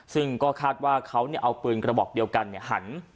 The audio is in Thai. ซึ่งก็คาดว่าเขาเนี่ยเอาปืนกระบอกเดียวกันเนี่ยหัน